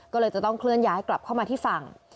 ก็เลยจะต้องเคลื่อนย้ายกลับเข้ามาที่ฝั่ง